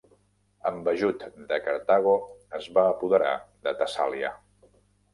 Amb ajut de Cartago es va apoderar de Tessàlia.